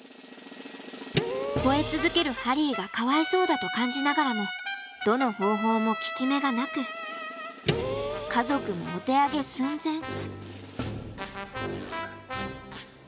吠え続けるハリーがかわいそうだと感じながらもどの方法も効き目がなく家族もお手上げ寸前。